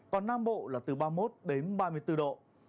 còn nam bộ là từ ba mươi một đến ba mươi bốn độ